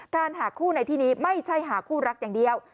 หาคู่ในที่นี้ไม่ใช่หาคู่รักอย่างเดียว